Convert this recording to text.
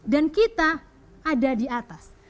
dan kita ada di atas